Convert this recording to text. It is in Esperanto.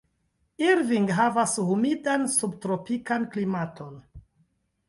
Irving havas humidan subtropikan klimaton.